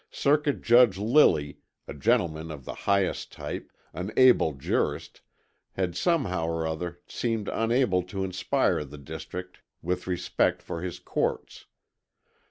Circuit Judge Lilly, a gentleman of the highest type, an able jurist, had somehow or other seemed unable to inspire the district with respects for his courts.